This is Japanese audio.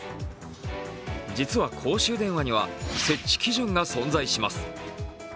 実は公衆電話には設置基準が存在します。